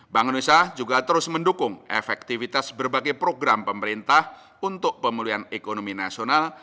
bank indonesia juga terus mendukung efektivitas berbagai program pemerintah untuk pemulihan ekonomi nasional